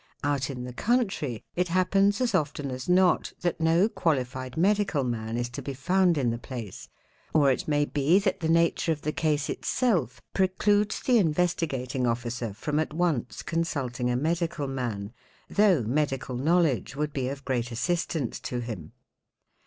Out in the country, it happens as often as not that no qualified medical man is to be found in the place; or it may be that the nature of the case itself precludes the Investigating Officer from at once consulting a medical man, though medical knowledge would be of great assistance to him.